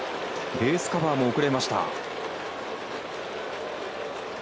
ベースカバーも遅れました。